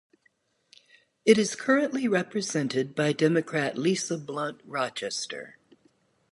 It is currently represented by Democrat Lisa Blunt Rochester.